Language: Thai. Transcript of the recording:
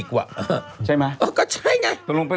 ก็ใช่ไง